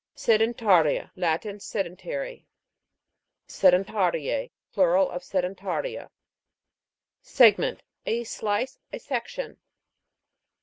SEDENTA'RIA. Latin. Sedentary. SEDENTA'RI^E. Plural of sedenta'ria. SEG'MENT. A slice, a section.